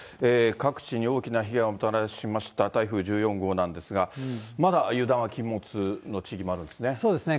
各地に大きな被害をもたらしました台風１４号なんですが、まだ油断は禁物の地域もあるんですね。